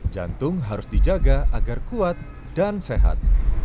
jantung harus dijaga agar kuat dan sehat